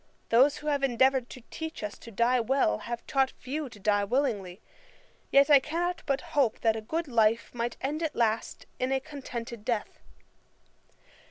Those who have endeavoured to teach us to die well, have taught few to die willingly: yet I cannot but hope that a good life might end at last in a contented death.